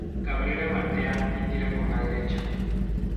Cabrera batea y tira con la derecha.